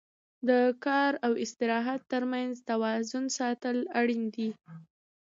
د کار او استراحت تر منځ توازن ساتل اړین دي.